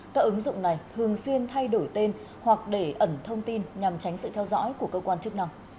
các ứng dụng này thường xuyên thay đổi tên hoặc để ẩn thông tin nhằm tránh sự theo dõi của cơ quan chức năng